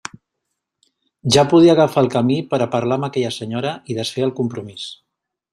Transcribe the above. Ja podia agafar el camí per a parlar amb aquella senyora i desfer el compromís!